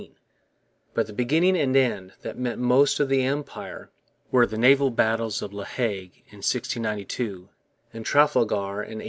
But the beginning and end that meant most to the Empire were the naval battles of La Hogue in 1692 and Trafalgar in 1805.